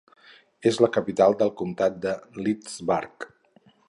És la capital del comptat de Lidzbark.